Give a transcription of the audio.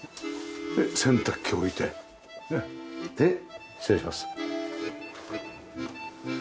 で洗濯機置いて。で失礼します。